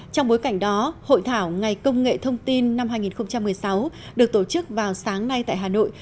trong bối cảnh đó hội thảo ngày công nghệ thông tin năm hai nghìn một mươi sáu được tổ chức vào sáng nay tại hà nội